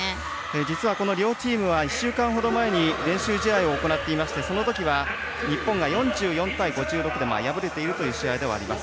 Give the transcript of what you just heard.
実はこの両チームは１週間ほど前に練習試合を行っていましてそのときは、日本が４４対５６で敗れているという試合です。